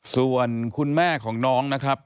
ส่วนคุณแม่ของน้องนะครับ